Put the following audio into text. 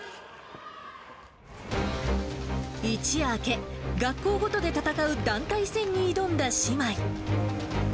一夜明け、学校ごとで戦う団体戦に挑んだ姉妹。